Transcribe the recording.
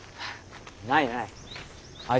ないない。